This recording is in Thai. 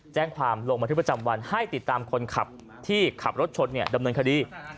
แจ้งความลงบันทึกประจำวันให้ติดตามคนขับที่ขับรถชนดำเนินคดี